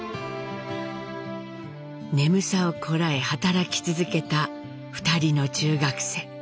眠さをこらえ働き続けた２人の中学生。